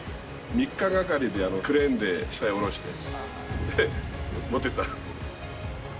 ３日がかりでクレーンで下へ下ろして、持ってった。